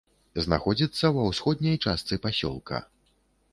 Знаходзіцца ва ўсходняй частцы пасёлка.